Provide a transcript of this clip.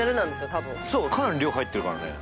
たぶんかなり量入ってるからね